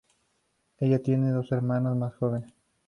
Ella tiene dos hermanos más jóvenes.